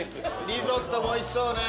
リゾットもおいしそうね。